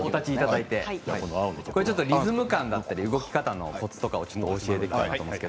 リズム感だったり動き方のコツを教えていきます。